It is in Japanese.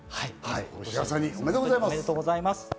おめでとうございます！